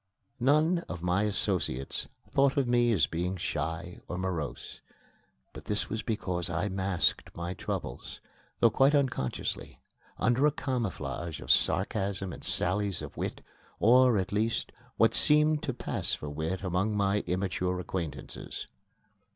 None of my associates thought of me as being shy or morose. But this was because I masked my troubles, though quite unconsciously, under a camouflage of sarcasm and sallies of wit, or, at least, what seemed to pass for wit among my immature acquaintances.